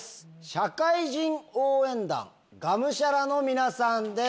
社会人応援団我無沙羅の皆さんです。